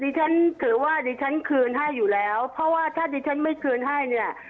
ฉันถือว่าดิฉันคืนให้อยู่แล้วเพราะว่าถ้าดิฉันไม่คืนให้เนี่ย